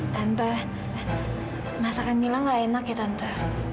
tante masakan mila nggak enak ya tante